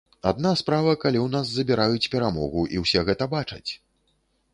Адна справа, калі ў нас забіраюць перамогу, і ўсе гэта бачаць.